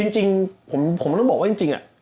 จริงผมต้องบอกว่าจริง